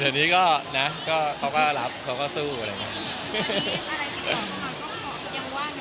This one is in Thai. เดี๋ยวนี้ก็นะก็เขาก็รับเขาก็สู้อะไรอย่างเงี้ย